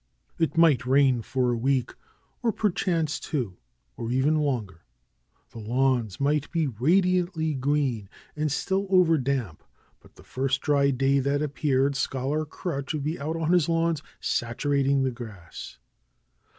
It might rain for a week, or perchance two, or even longer. The lawns might be radiantly green, and still over damp. But the first dry day that appeared Scholar Crutch would be out on his lawns saturating the grass.